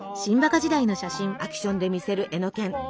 アクションで魅せるエノケン。